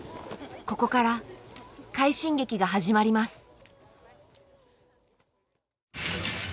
ここから快進撃が始まります。